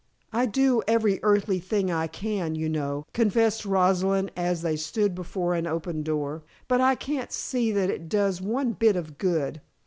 "I do every earthly thing I can, you know," confessed Rosalind, as they stood before an open door, "but I can't see that it does one bit of good.